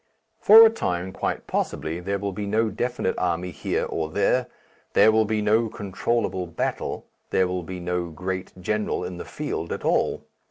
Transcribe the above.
For a time quite possibly there will be no definite army here or there, there will be no controllable battle, there will be no Great General in the field at all.